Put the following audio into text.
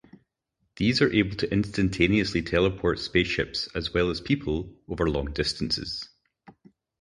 These are able to instantaneously teleport spaceships as well as people over long distances.